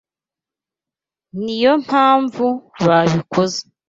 Niyo mpamvu babikoze